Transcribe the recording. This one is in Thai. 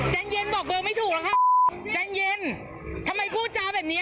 ใจเย็นบอกเบอร์ไม่ถูกหรอกครับใจเย็นทำไมพูดจาแบบเนี้ย